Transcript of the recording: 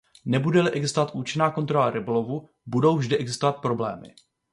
Nebude-li existovat účinná kontrola rybolovu, budou vždy existovat problémy.